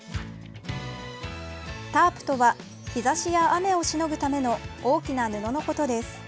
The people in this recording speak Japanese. タープとは日ざしや雨をしのぐための大きな布のことです。